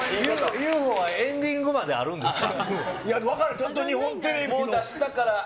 ＵＦＯはエンディングまであるんですか。